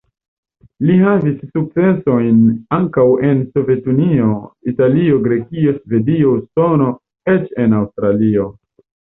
Li havis sukcesojn ankaŭ en Sovetunio, Italio, Grekio, Svedio, Usono, eĉ en Aŭstralio.